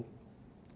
harus terpenuhi ini